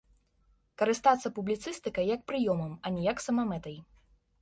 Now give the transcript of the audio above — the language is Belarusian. Карыстацца публіцыстыкай як прыёмам, а не як самамэтай.